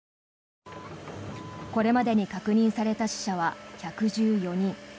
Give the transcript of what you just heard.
これまでに確認された死者は１１４人。